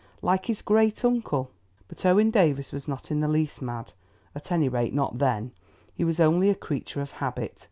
like his great uncle!" But Owen Davies was not in the least mad, at any rate not then; he was only a creature of habit.